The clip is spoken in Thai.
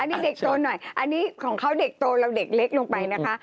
นี่เด็กโตหน่อยอันนี้ของเขาเด็กโตเราเด็กเล็กลงไปนะคะ